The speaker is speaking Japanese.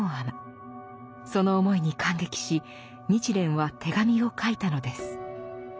その思いに感激し日蓮は手紙を書いたのです。